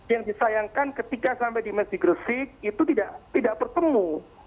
yang disayangkan ketika sampai di mes di gresik itu tidak tidak bertemu